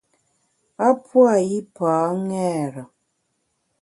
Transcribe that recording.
A pua’ yipa ṅêre.